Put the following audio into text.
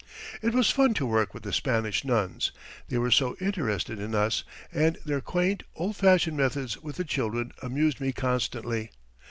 "It was fun to work with the Spanish nuns. They were so interested in us, and their quaint, old fashioned methods with the children amused me constantly.